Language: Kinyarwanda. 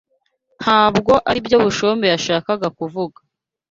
Ntabwo aribyo Bushombe yashakaga kuvuga.